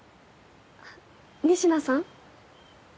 仁科さん？